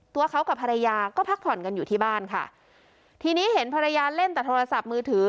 ตัวเขากับภรรยาก็พักผ่อนกันอยู่ที่บ้านค่ะทีนี้เห็นภรรยาเล่นแต่โทรศัพท์มือถือ